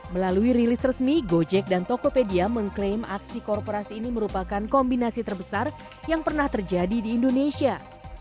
melalui rilis resmi gojek dan tokopedia mengklaim aksi korporasi ini merupakan kombinasi terbesar yang pernah terjadi di indonesia